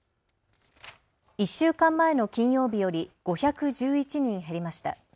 １週間前の金曜日より５１１人減りました。